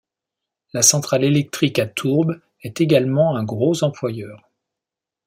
La centrale électrique à tourbe est également un gros employeur.